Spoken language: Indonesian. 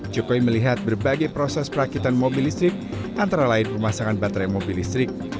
jokowi melihat berbagai proses perakitan mobil listrik antara lain pemasangan baterai mobil listrik